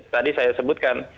tadi saya sebutkan